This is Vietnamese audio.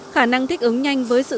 khả năng thích ứng nhanh với sự sử dụng